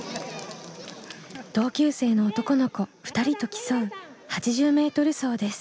同級生の男の子２人と競う８０ｍ走です。